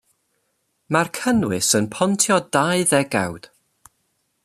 Mae'r cynnwys yn pontio dau ddegawd.